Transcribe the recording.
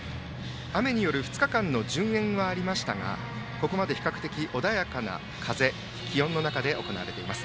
雨による２日間の順延がありましたがここまで比較的穏やかな風気温の中で行われています。